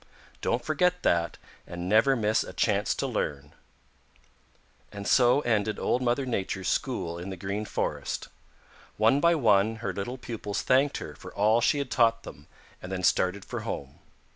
Don't forget that, and never miss a chance to learn." And so ended Old Mother Nature's school in the Green Forest. One by one her little pupils thanked her for all she had taught them, and then started for home.